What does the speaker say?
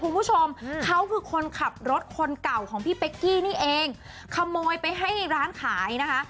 คุณผู้ชมเขาคือคนขับรถคนเก่าของพี่เป๊กกี้นี่เองขโมยไปให้ร้านขายนะคะ